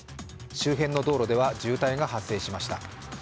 周辺の道路では渋滞が発生しました。